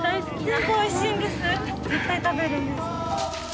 絶対食べるんです。